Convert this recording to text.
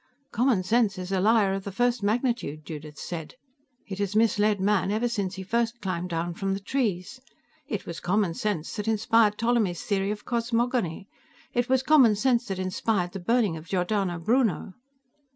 "Common sense is a liar of the first magnitude," Judith said. "It has misled man ever since he first climbed down from the trees. It was common sense that inspired Ptolemy's theory of cosmogony. It was common sense that inspired the burning of Giordano Bruno...."